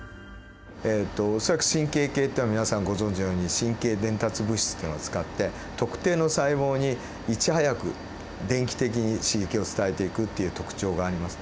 恐らく神経系っていうのは皆さんご存じのように神経伝達物質っていうのを使って特定の細胞にいち早く電気的に刺激を伝えていくっていう特徴があります。